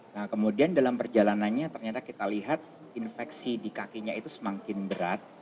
nah kemudian dalam perjalanannya ternyata kita lihat infeksi di kakinya itu semakin berat